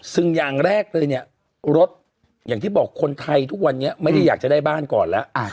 สิ่งอย่างแรกเลยเนี่ยรถอย่างที่บอกคนไทยทุกวันนี้ไม่ได้อยากจะได้บ้านก่อนแล้ว